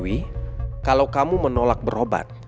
tapi kalau kamu menolak berobat